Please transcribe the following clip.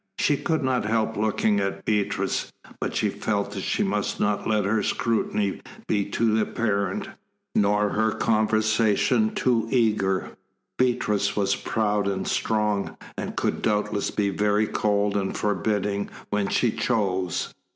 She could not help looking at Beatrice, but she felt that she must not let her scrutiny be too apparent, nor her conversation too eager. Beatrice was proud and strong, and could doubtless be very cold and forbidding when she chose.